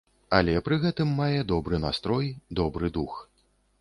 Але пры гэтым мае добры настрой, добры дух.